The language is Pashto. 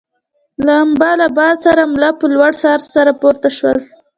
لمبه له باده سره مله په لوړ سرعت سره پورته شول.